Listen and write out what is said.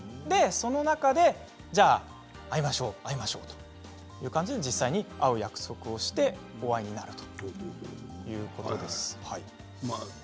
その中で会いましょうという感じで、実際に会う約束をしてお会いになるということです。